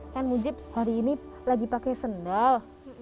kan mujib hari ini lagi pakai sendal